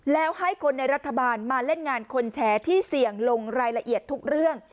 แล้วให้คนในรัฐบาลมาเล่นงานคนแชร์ที่เสี่ยงลงรายละเอียดทุกเรื่อง